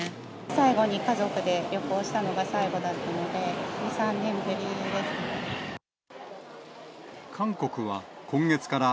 最後に家族で旅行したのが最後だったので、２、３年ぶりですかね。